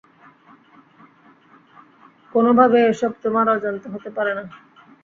কোনভাবেই এসব তোমার অজান্তে হতে পারে না।